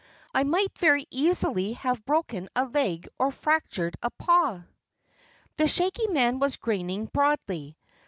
I might very easily have broken a leg or fractured a paw." The Shaggy Man was grinning broadly.